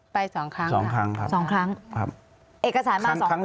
ไปสองครั้งครับสองครั้งครับครับเอกสารมาสองครั้ง